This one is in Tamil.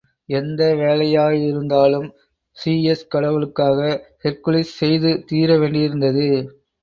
எந்த வேலையாயிருந்தாலும், சீயஸ் கடவுளுக்காக ஹெர்க்குலிஸ் செய்து தீரவேண்டியிருந்தது.